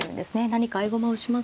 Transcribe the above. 何か合駒をしますと。